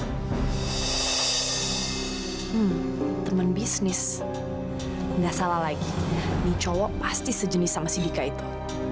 hmm temen bisnis gak salah lagi ini cowok pasti sejenis sama si dika itu